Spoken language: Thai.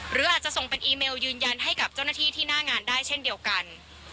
หรืออาจจะส่งเป็นอีเมลยืนยันให้กับเจ้าหน้าที่ที่หน้างานได้เช่นเดียวกัน